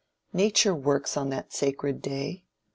Nature works on that "sacred" day.